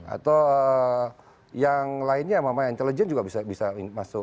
atau yang lainnya yang intelligent juga bisa masuk